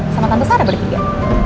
sama tante sarah bertiga